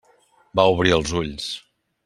Va obrir els ulls.